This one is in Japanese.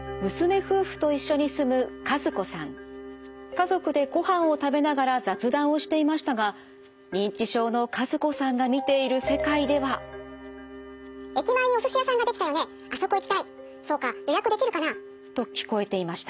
家族でごはんを食べながら雑談をしていましたが認知症の和子さんが見ている世界では。と聞こえていました。